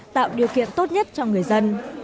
tạo điều kiện tốt nhất cho người dân